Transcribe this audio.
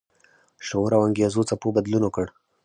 شعور او انګیزو څپو بدلون ورکړ.